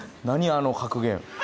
あの格言。